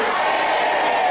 pemerintahan yang tegas